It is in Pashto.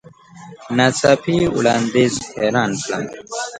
نا څاپي وړاندیز حیران کړم .